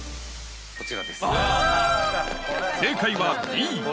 こちらです。